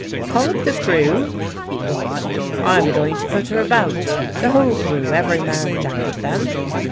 "Call up the crew," he ordered. "I'm going to put her about. The whole crew every man Jack of them!"